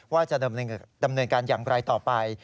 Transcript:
ว่าจะดำเนินการอย่างไรต่อไป